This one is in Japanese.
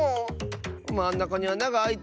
まんなかにあながあいてるよね。